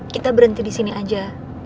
kita berhenti di sini aja